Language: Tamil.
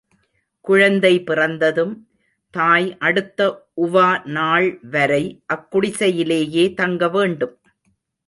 குழந்தை பிறந்ததும், தாய் அடுத்த உவா நாள் வரை அக் குடிசையிலேயே தங்கவேண்டும்.